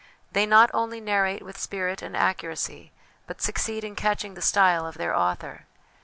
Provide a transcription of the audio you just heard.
They not only narrate with spirit and accuracy, but succeed in catching the style of their author.